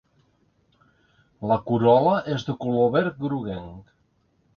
La corol·la és de color verd-groguenc.